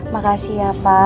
makasih ya pak